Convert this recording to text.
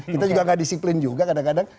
kita juga nggak disiplin juga kadang kadang